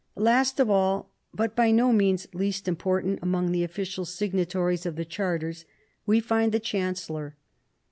Last of all, but by no means least important, among the official signatories of the charters we find the chancellor.